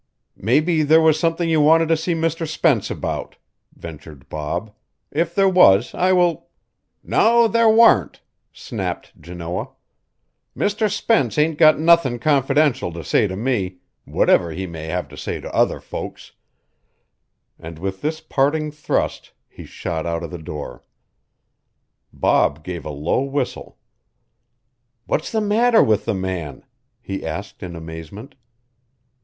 "Maybe there was something you wanted to see Mr. Spence about," ventured Bob. "If there was I will " "No, there warn't," snapped Janoah. "Mister Spence ain't got nothin' confidential to say to me whatever he may have to say to other folks," and with this parting thrust he shot out of the door. Bob gave a low whistle. "What's the matter with the man?" he asked in amazement.